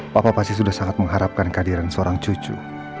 papa pasti sudah sangat mengharapkan kehadiran seorang cucu